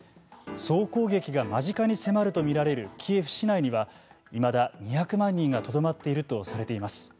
総攻撃が間近に迫ると見られるキエフ市内には、いまだ２００万人がとどまっているとされています。